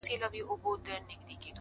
يوازيتوب زه’ او ډېوه مړه انتظار’